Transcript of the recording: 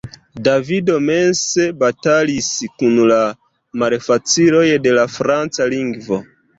Davido mense batalis kun la malfaciloj de la Franca lingvo.